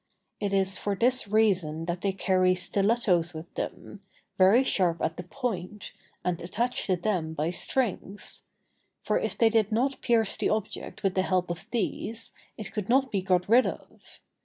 It is for this reason that they carry stilettos with them, very sharp at the point, and attached to them by strings; for if they did not pierce the object with the help of these, it could not be got rid of.